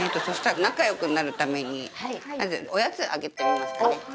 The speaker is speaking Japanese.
そしたら仲よくなるためにおやつあげてみますかね。